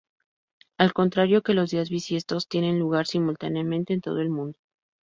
Al contrario que los días bisiestos, tienen lugar simultáneamente en todo el mundo.